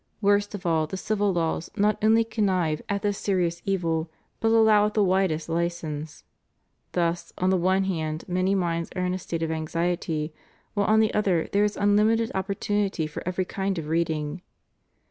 Worst of all, the civil laws not only con nive at this serious evil but allow it the widest license. Thus, on the one hand, many minds are in a state of anxiety; whilst, on the other, there is unlimited oppor tunity for every kind of reading.